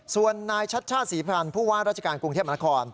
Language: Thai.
ส่วนนายชัชช่าศรีพรรณผู้ว่าราชการกรุงเทพมนาคอ